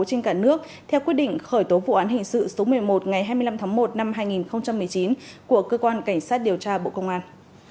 trên cả nước theo quyết định khởi tố vụ án hình sự số một mươi một ngày hai mươi năm tháng một năm hai nghìn một mươi chín của cơ quan cảnh sát điều tra bộ công an